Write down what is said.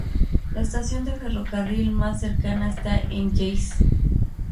La estación de ferrocarril más cercana está en Yeisk.